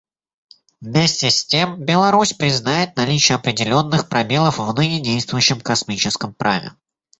Вместе с тем, Беларусь признает наличие определенных пробелов в ныне действующем космическом праве.